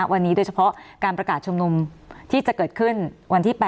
วันนี้โดยเฉพาะการประกาศชุมนุมที่จะเกิดขึ้นวันที่๘